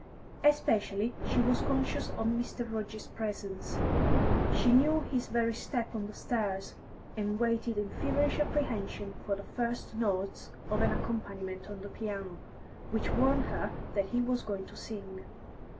Especially she was conscious of Mr. Rudge's presence; she knew his very step on the stairs, and waited in feverish apprehension for the first notes of an accompaniment on the piano, which warned her that he was going to sing.